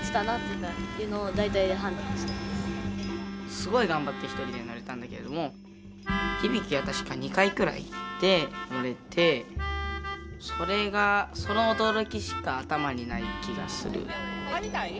すごい頑張って１人で乗れたんだけれどもひびきは確か２回くらいで乗れてそれがその驚きしか頭にない気がする。